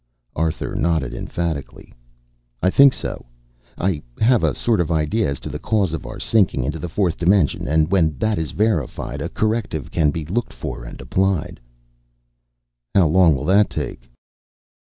Arthur nodded emphatically. "I think so. I have a sort of idea as to the cause of our sinking into the Fourth Dimension, and when that is verified, a corrective can be looked for and applied." "How long will that take?"